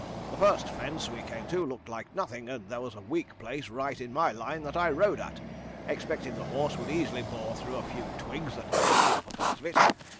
The first fence we came to looked like nothing, and there was a weak place right in my line that I rode at, expecting the horse would easily bore through a few twigs that crossed the upper part of it.